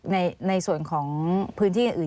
ในส่วนของพื้นที่อื่น